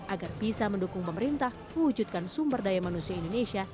agar bisa mendukung pemerintah mewujudkan sumber daya manusia indonesia